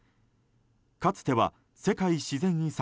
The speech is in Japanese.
かつては世界自然遺産